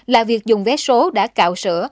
là việc dùng vé số đã cạo sữa